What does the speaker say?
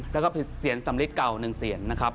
แล้วก็เป็นเศียรสำริดเก่าหนึ่งเศียรนะครับ